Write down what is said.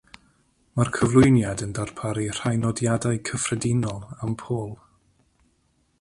Mae'r cyflwyniad yn darparu rhai nodiadau cyffredinol am Paul.